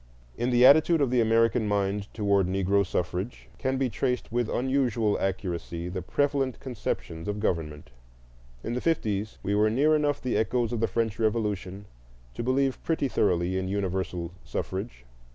In the attitude of the American mind toward Negro suffrage can be traced with unusual accuracy the prevalent conceptions of government. In the fifties we were near enough the echoes of the French Revolution to believe pretty thoroughly in universal suffrage.